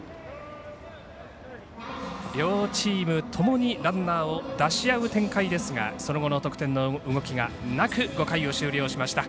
両チームともにランナーを出し合う展開ですがその後の得点の動きがなく５回を終了しました。